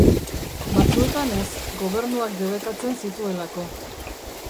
Batzuetan ez, Gobernuak debekatzen zituelako.